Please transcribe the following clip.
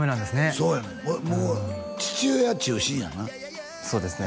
そうやねんもう父親中心やなそうですね